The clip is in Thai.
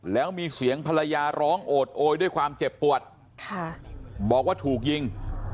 แล้วมีเสียงภรรยาร้องโอดโอยด้วยความเจ็บปวดบอกว่าถูกยิง